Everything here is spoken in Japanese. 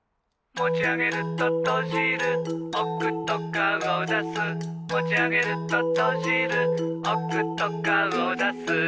「もちあげるととじるおくとかおだす」「もちあげるととじるおくとかおだす」